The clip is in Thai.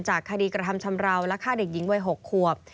คดีกระทำชำราวและฆ่าเด็กหญิงวัย๖ขวบ